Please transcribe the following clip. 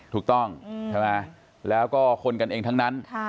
ถูกต้องแล้วก็คนกันเองทั้งนั้น